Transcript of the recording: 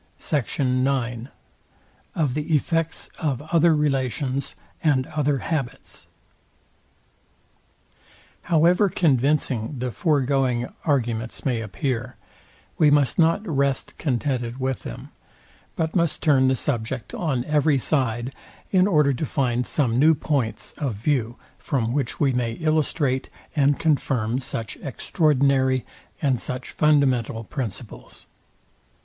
SECT. IX. OF THE EFFECTS OF OTHER RELATIONS AND OTHER HABITS. However convincing the foregoing arguments may appear, we must not rest contented with them, but must turn the subject on every side, in order to find some new points of view, from which we may illustrate and confirm such extraordinary, and such fundamental principles.